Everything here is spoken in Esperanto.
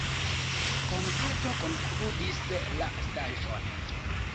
Koncerto konkludis la staĝon.